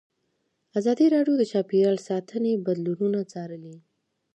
ازادي راډیو د چاپیریال ساتنه بدلونونه څارلي.